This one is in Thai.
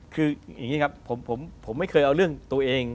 คืออย่างนี้ครับผมไม่เคยเอาเรื่องตัวเอง